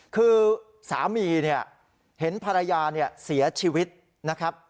คือสามีเนี่ยเห็นภรรยาเสียชีวิตนะครับ